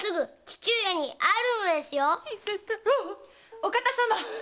・お方様。